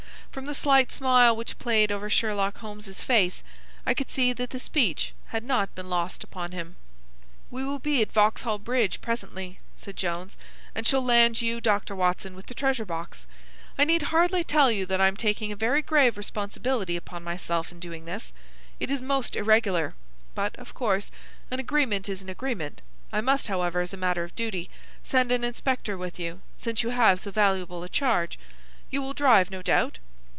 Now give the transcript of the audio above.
From the slight smile which played over Sherlock Holmes's face, I could see that the speech had not been lost upon him. "We will be at Vauxhall Bridge presently," said Jones, "and shall land you, Dr. Watson, with the treasure box. I need hardly tell you that I am taking a very grave responsibility upon myself in doing this. It is most irregular; but of course an agreement is an agreement. I must, however, as a matter of duty, send an inspector with you, since you have so valuable a charge. You will drive, no doubt?"